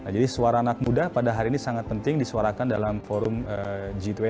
jadi suara anak muda pada hari ini sangat penting disuarakan dalam forum g dua puluh